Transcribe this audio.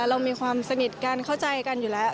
เรามีความสนิทกันเข้าใจกันอยู่แล้ว